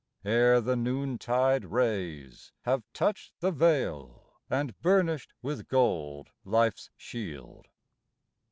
Ere the noontide rays have touched the vale And burnished with gold life's shield.